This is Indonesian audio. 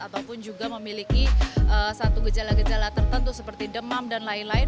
ataupun juga memiliki satu gejala gejala tertentu seperti demam dan lain lain